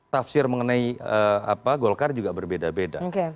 tafsir mengenai golkar juga berbeda beda